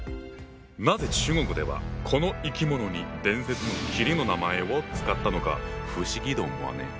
なぜ中国ではこの生き物に伝説の麒麟の名前を使ったのか不思議と思わねえ？